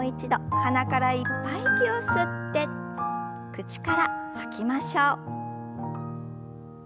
鼻からいっぱい息を吸って口から吐きましょう。